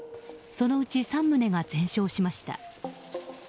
そのうち３棟が全焼しました。